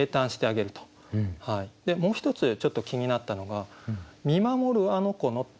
もう一つちょっと気になったのが「見守るあの子の」。